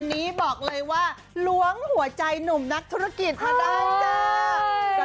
นี้บอกเลยว่าล้วงหัวใจหนุ่มนักธุรกิจมาได้จ้า